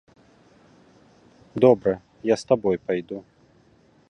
Добра, я з табой пайду.